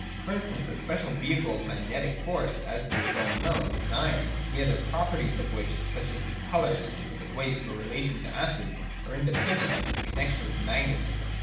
For instance, a special vehicle of magnetic force, as is well known, is iron, the other properties of which, such as its colour, specific weight, or relation to acids, are independent of this connexion with magnetism.